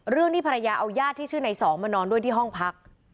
เรื่องที่ภรรยาเอาย่าที่ชื่อไหนสองมานอนด้วยที่ห้องพัก